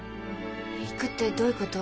行くってどういうこと？